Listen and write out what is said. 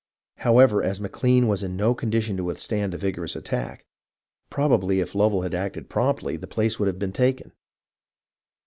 However, as McLean was in no condition to withstand a vigorous attack, probably if Lovell had acted promptly, the place would have been taken.